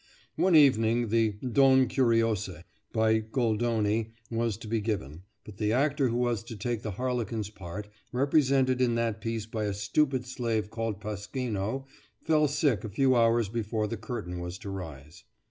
One evening the "Donne Curiose" by Goldoni was to be given, but the actor who was to take the harlequin's part, represented in that piece by a stupid slave called Pasquino, fell sick a few hours before the curtain was to rise.